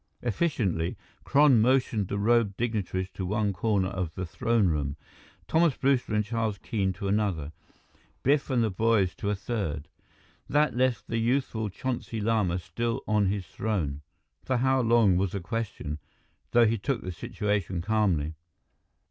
Efficiently, Kron motioned the robed dignitaries to one corner of the throne room, Thomas Brewster and Charles Keene to another, Biff and the boys to a third. That left the youthful Chonsi Lama still on his throne for how long was a question, though he took the situation calmly.